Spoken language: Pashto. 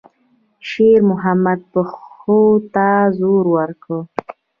شېرمحمد پښو ته زور ورکړ.